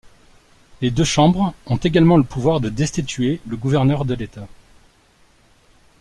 Les deux chambres ont également le pouvoir de destituer le gouverneur de l'État.